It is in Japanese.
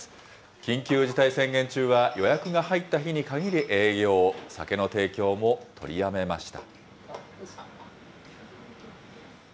緊急事態宣言中は予約が入った日に限り、営業、酒の提供も取りやめました。